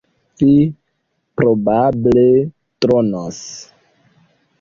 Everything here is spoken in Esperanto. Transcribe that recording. Vi probable dronos.